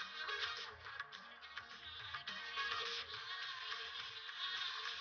mereka pernah kalah lagi